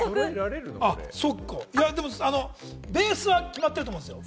そっか、いや、でもベースは決まってると思うんですよ。